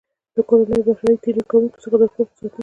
د کورنیو او بهرنیو تېري کوونکو څخه د حقوقو ساتنه.